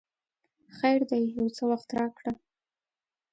خیر دی یو څه وخت راکړه!